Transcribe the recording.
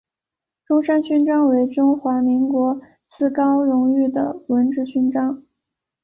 中山勋章为中华民国次高荣誉的文职勋章。